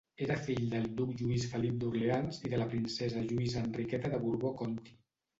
Era fill del duc Lluís Felip d'Orleans i de la princesa Lluïsa Enriqueta de Borbó-Conti.